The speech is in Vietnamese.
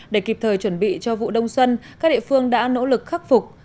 để kịp thời chuẩn bị cho vụ đông xuân các địa phương đã nỗ lực khắc phục